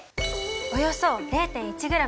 およそ０．１ｇだよ。